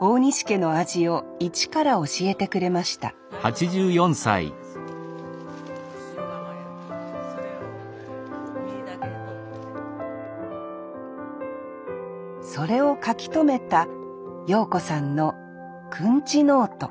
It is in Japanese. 大西家の味を一から教えてくれましたそれを書き留めた謡子さんのくんちノート